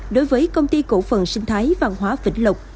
đối với công ty cổ phần sinh thái văn hóa vĩnh lộc